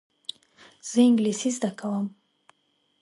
زه انګلیسي زده کوم.